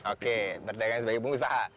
oke berdagang sebagai pengusaha